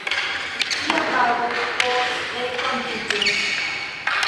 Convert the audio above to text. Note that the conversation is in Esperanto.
Kia tago por renkontiĝo!